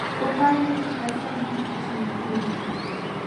په پایله کې کسر هم کوچنی کېږي